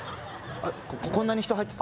あっここんなに人入ってた？